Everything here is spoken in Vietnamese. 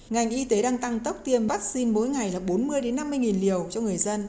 ngành y tế đang tăng tốc tiêm vaccine mỗi ngày là bốn mươi năm mươi liều cho người dân